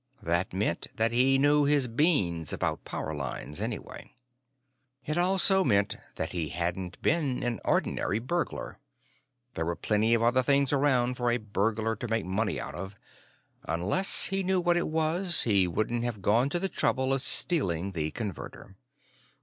That meant that he knew his beans about power lines, anyway. It also meant that he hadn't been an ordinary burglar. There were plenty of other things around for a burglar to make money out of. Unless he knew what it was, he wouldn't have gone to the trouble of stealing the Converter.